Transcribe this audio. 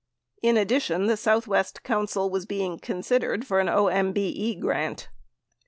6 In addition, the Southwest Council was being considered for OMBE grant.